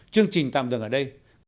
chương trình tạm dừng ở đây